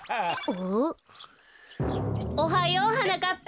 おはようはなかっぱ。